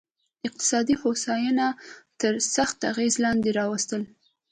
اقتصادي هوساینه تر سخت اغېز لاندې راوستل.